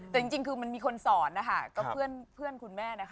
แต่จริงคือมันมีคนสอนนะคะก็เพื่อนคุณแม่นะคะ